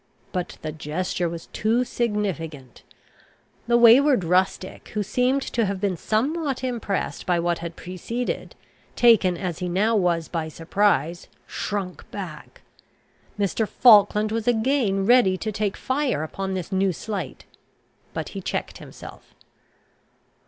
But the gesture was too significant. The wayward rustic, who seemed to have been somewhat impressed by what had preceded, taken as he now was by surprise, shrunk back. Mr. Falkland was again ready to take fire upon this new slight, but he checked himself.